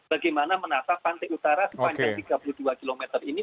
bagaimana menata pantai utara sepanjang tiga puluh dua km ini